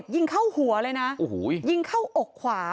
ยิงเข้าหัวเลยนะโอ้โหยิงเข้าอกขวา